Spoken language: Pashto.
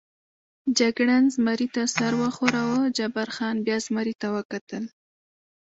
جګړن زمري ته سر و ښوراوه، جبار خان بیا زمري ته وکتل.